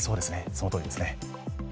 そのとおりですね。